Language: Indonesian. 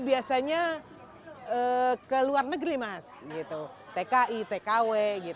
biasanya ke luar negeri mas tki tkw